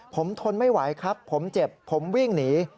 ผมทนไม่ไหวครับผมเจ็บผมวิ่งหนี